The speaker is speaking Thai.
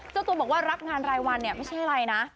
เจ้าตัวบอกว่ารับงานรายวันเนี่ยไม่ใช่อะไรนะ